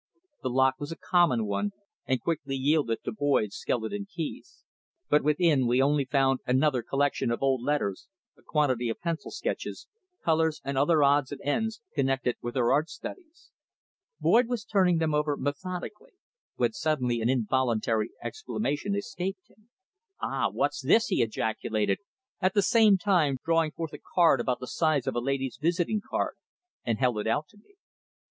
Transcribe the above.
The lock was a common one and quickly yielded to Boyd's skeleton keys, but within we only found another collection of old letters, a quantity of pencil sketches, colours and other odds and ends connected with her art studies. Boyd was turning them over methodically, when suddenly an involuntary exclamation escaped him. "Ah! What's this?" he ejaculated, at the same time drawing forth a card about the size of a lady's visiting card, and held it out to me.